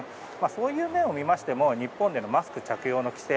そういう面を見ましても日本でのマスク着用の規制